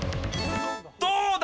どうだ？